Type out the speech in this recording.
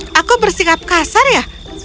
tapi aku bersikap kasar ya